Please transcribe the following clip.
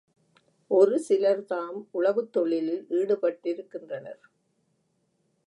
ஒருசிலர் தாம் உழவுத் தொழிலில் ஈடுபட்டிருக்கின்றனர்.